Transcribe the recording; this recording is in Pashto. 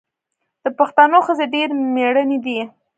د پښتنو ښځې ډیرې میړنۍ دي.